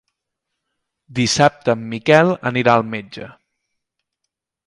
Dissabte en Miquel anirà al metge.